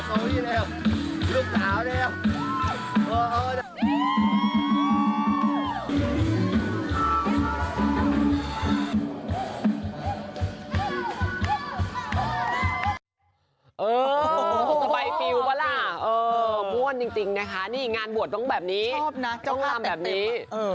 โอ้โหสบายฟิลปะล่ะเออม่วนจริงนะคะนี่งานบวชต้องแบบนี้ต้องทำแบบนี้